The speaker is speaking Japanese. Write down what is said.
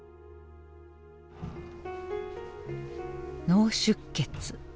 脳出血。